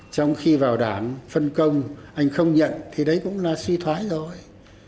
trong khi vào đảng phân công anh không nhận thì đấy cũng là suy thoái rồi